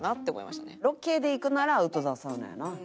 ロケで行くならアウトドアサウナやな。